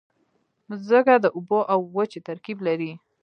مځکه د اوبو او وچې ترکیب لري.